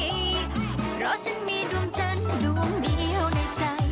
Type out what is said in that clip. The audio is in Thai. เพราะฉันมีดวงจันทร์ดวงเดียวในใจ